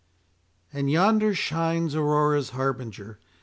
And yonder shines Aurora's harbinger.